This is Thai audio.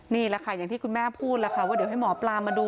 นี่แหละค่ะอย่างที่คุณแม่พูดแล้วค่ะว่าเดี๋ยวให้หมอปลามาดู